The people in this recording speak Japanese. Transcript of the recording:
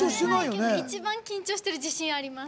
一番緊張している自信があります。